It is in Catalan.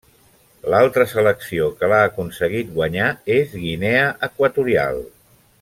L'altra selecció que l'ha aconseguit guanyar és Guinea Equatorial.